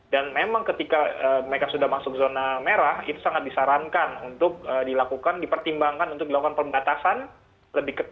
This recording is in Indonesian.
dan memang ketika mereka sudah masuk zona merah itu sangat disarankan untuk dilakukan dipertimbangkan untuk dilakukan pembatasan lebih ketat